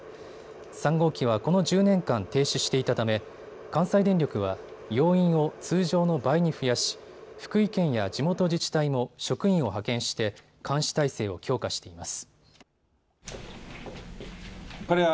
３号機はこの１０年間停止していたため関西電力は要員を通常の倍に増やし、福井県や地元自治体も職員を派遣して監視態勢を強化しています。